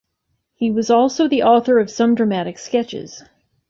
He was also the author of some dramatic sketches.